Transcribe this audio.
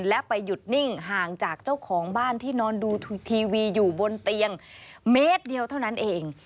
และไปหยุดนิ่งห่างจากเจ้าของบ้านที่นอนดูทีวีอยู่บนเตียงเมตรเดียวเท่านั้นเอง